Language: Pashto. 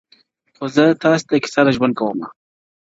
خو زه تاسي ته كيسه د ژوند كومه؛